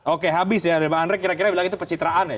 oke habis ya dari bang andre kira kira bilang itu pecitraan ya